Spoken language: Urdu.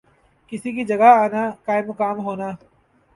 کسی کی جگہ آنا، قائم مقام ہونا